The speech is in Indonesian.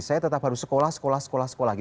saya tetap harus sekolah sekolah sekolah lagi